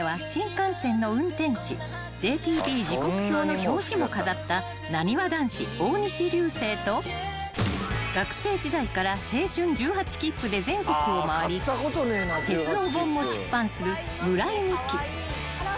［『ＪＴＢ時刻表』の表紙も飾ったなにわ男子大西流星と学生時代から青春１８きっぷで全国を回り鉄道本も出版する村井美樹］